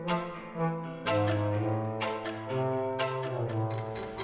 ini si eda